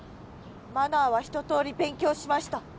マナーは一とおり勉強しました。